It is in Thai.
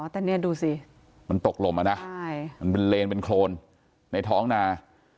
แต่เนี่ยดูสิมันตกลมอะนะมันเป็นเลนเป็นโครนในท้องนา